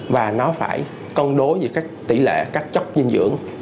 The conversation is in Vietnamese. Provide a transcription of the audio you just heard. và nó phải cân đối về các tỷ lệ các chất dinh dưỡng